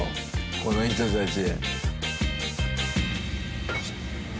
この人たち。